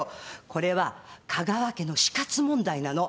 これは香川家の死活問題なの。